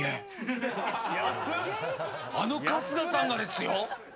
あの春日さんがですよ！